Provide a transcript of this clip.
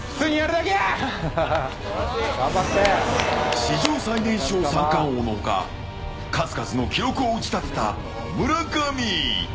史上最年少三冠王の他数々の記録を打ち立てた村上。